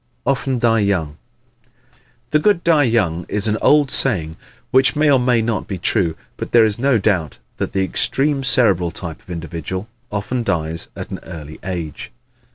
Often Die Young ¶ "The good die young" is an old saying which may or may not be true. But there is no doubt that the extreme Cerebral type of individual often dies at an early age.